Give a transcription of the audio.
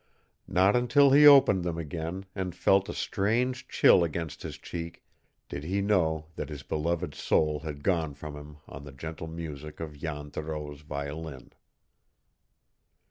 Not until he opened them again, and felt a strange chill against his cheek, did he know that his beloved's soul had gone from him on the gentle music of Jan Thoreau's violin.